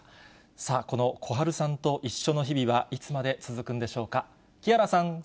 さあ、この小春さんと一緒の日々は、いつまで続くんでしょうか。